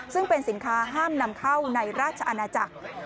ซึ่งเป็นสินค้าห้ามนำเข้าในราชอาณาจักร